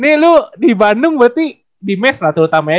nih lu di bandung berarti di mes lah terutama ya